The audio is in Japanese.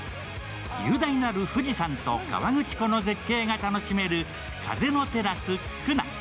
雄大なる富士山と河口湖の絶景が楽しめる風のテラスＫＵＫＵＮＡ。